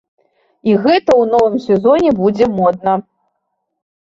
І гэта ў новым сезоне будзе модна.